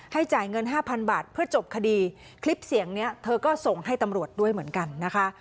จ่ายเงินห้าพันบาทเพื่อจบคดีคลิปเสียงเนี้ยเธอก็ส่งให้ตำรวจด้วยเหมือนกันนะคะ